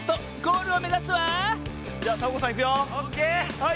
はい！